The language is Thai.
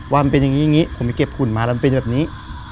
ว่ามันเป็นอย่างนี้ผมไปเก็บขุนมาแล้วมันเป็นแบบนี้